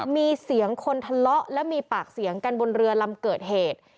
มีเสียงคนทะเลาะและมีปากเสียงกันบนเรือลำเกิดเหตุ